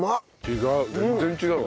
違う。